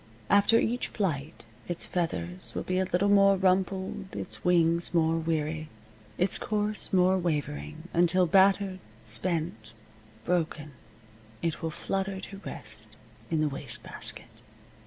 After each flight its feathers will be a little more rumpled, its wings more weary, its course more wavering, until, battered, spent, broken, it will flutter to rest in the waste basket.